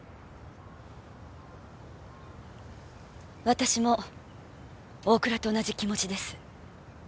私も大倉と同じ気持ちです。